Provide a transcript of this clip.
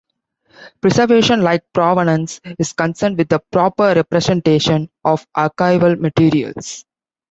Preservation, like provenance, is concerned with the proper representation of archival materials.